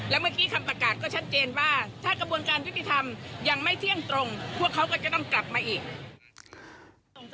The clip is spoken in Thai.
และเมื่อกี้คำประกาศก็ชัดเจนว่าถ้ากระบวนการยุติธรรมยังไม่เที่ยงตรงพวกเขาก็จะต้องกลับมาอีก